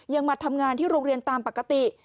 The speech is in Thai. มาทำงานที่โรงเรียนตามปกติ